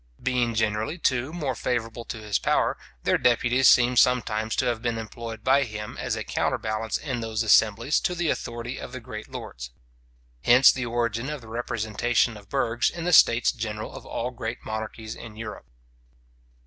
Being generally, too, more favourable to his power, their deputies seem sometimes to have been employed by him as a counterbalance in those assemblies to the authority of the great lords. Hence the origin of the representation of burghs in the states general of all great monarchies in Europe.